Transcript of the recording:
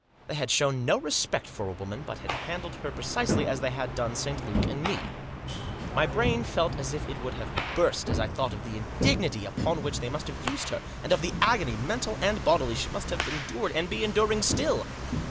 They had shown no respect for a woman, but had handled her precisely as they had done St. Luke and me. My brain felt as if it would have burst as I thought of the indignity with which they must have used her, and of the agony, mental and bodily, she must have endured, and be enduring still.